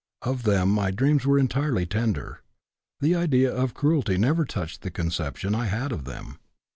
Of them my dreams were entirely tender; the idea of cruelty never touched the conception I had of them.